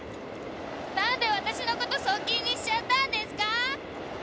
なんで私のこと側近にしちゃったんですか！？